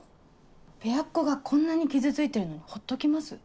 ペアっ子がこんなに傷ついてるのにほっときます？